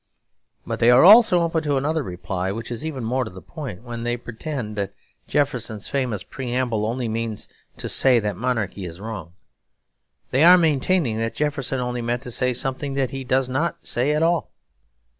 But they are also open to another reply which is even more to the point, when they pretend that Jefferson's famous preamble only means to say that monarchy is wrong. They are maintaining that Jefferson only meant to say something that he does not say at all.